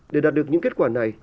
để đạt được những kết quả này